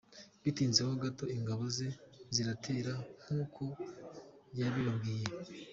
Bitinze ho gato ingabo ze ziratera nk ‘ukö yabibabwiye.